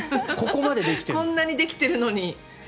こんなにできてるのに。